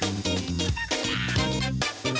ใหญ่